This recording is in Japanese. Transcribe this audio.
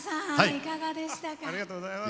いかがでしたか？